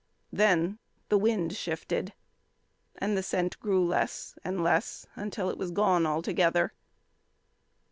Then the wind shifted, and the scent grew less and less, until it was gone altogether.